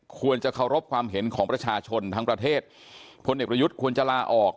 ควรจะเคารพความเห็นของประชาชนทั้งประเทศพลเอกประยุทธ์ควรจะลาออก